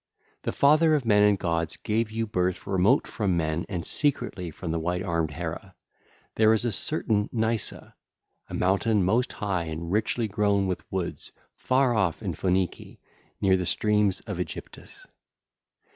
The Father of men and gods gave you birth remote from men and secretly from white armed Hera. There is a certain Nysa, a mountain most high and richly grown with woods, far off in Phoenice, near the streams of Aegyptus.